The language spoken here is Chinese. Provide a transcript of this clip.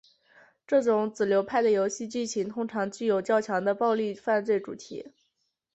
这种子流派的游戏剧情通常具有较强的暴力犯罪主题。